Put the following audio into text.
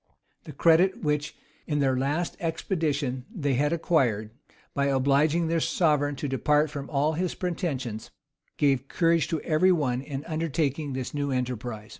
The credit which in their last expedition they had acquired, by obliging their sovereign to depart from all his pretensions, gave courage to every one in undertaking this new enterprise.